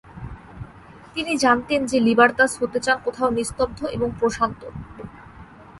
তিনি জানতেন যে লিবার্তাস হতে চান কোথাও নিস্তব্ধ এবং প্রশান্ত।